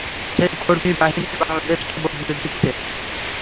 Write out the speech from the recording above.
সেই কর্মী বাহিনী বাংলাদেশকে বদলে দিচ্ছে।